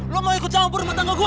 lo mau ikut campur rumah tangga gue